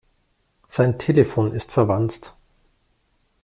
Sein Telefon ist verwanzt.